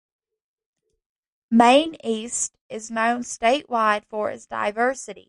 Maine East is known statewide for its diversity.